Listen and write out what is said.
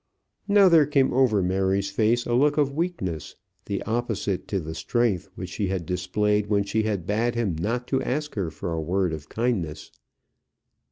Now there came over Mary's face a look of weakness, the opposite to the strength which she had displayed when she had bade him not ask her for a word of kindness.